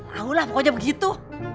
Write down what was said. tau lah pokoknya begitu